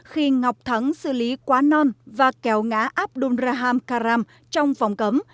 khi ngọc thắng xử lý quá non và kéo ngá abdulrahman karam trong phòng cấm